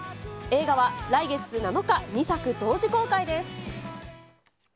映画は来月７日、２作同時公開です。